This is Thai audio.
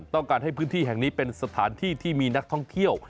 ต้องการให้พื้นที่แห่งนี้เป็นสถานที่ที่มีนักท่องเที่ยว